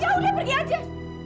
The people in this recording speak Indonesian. ya udah pergi aja